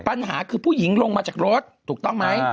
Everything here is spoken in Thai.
ปัญหาคือผู้หญิงลงมาจากรถถูกต้องไหม